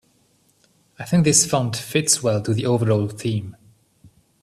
I think this font fits well to the overall theme.